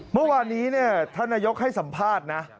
เมื่อวานนี้ท่านนายกให้สัมภาษณ์นะ